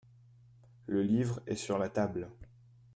Le livre est sur la table.